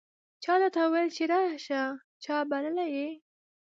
چا درته وویل چې راسه ؟ چا بللی یې